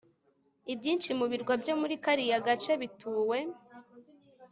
ibyinshi mu birwa byo muri kariya gace bituwe